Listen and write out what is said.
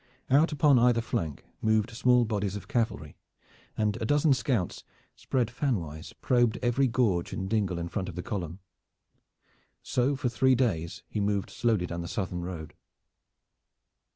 Out upon either flank moved small bodies of cavalry, and a dozen scouts, spread fanwise, probed every gorge and dingle in front of the column. So for three days he moved slowly down the Southern Road.